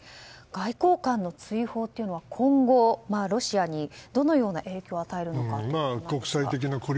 外交官の追放というのは今後、ロシアにどのような影響を与えると思いますか。